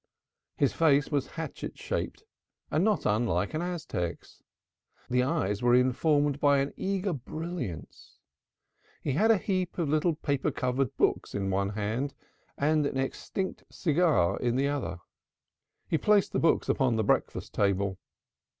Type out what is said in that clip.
His face was hatchet shaped and not unlike an Aztec's. The eyes were informed by an eager brilliance. He had a heap of little paper covered books in one hand and an extinct cigar in the other. He placed the books upon the breakfast table.